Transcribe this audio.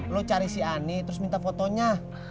lo cari si ani terus minta fotonya